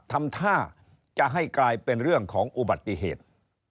ทำท่าจะให้กลายเป็นเรื่องของอุบัติเหตุ